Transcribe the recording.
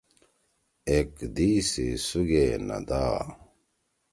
ایک دئِی سی سُگے نہ دا۔